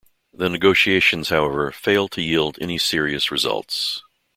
The negotiations, however, failed to yield any serious results.